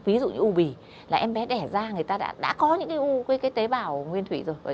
ví dụ như u bì là em bé đẻ ra người ta đã có những cái tế bào nguyên thủy rồi